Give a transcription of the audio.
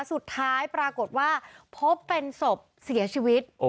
สุดท้ายปรากฏว่าพบเป็นศพเสียชีวิต